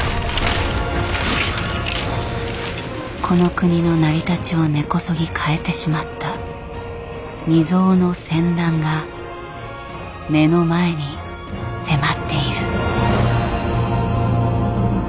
この国の成り立ちを根こそぎ変えてしまった未曽有の戦乱が目の前に迫っている。